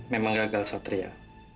memang gagal satria